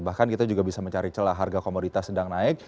bahkan kita juga bisa mencari celah harga komoditas sedang naik